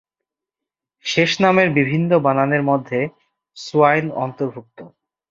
শেষ নামের বিভিন্ন বানানের মধ্যে সোয়াইন অন্তর্ভুক্ত।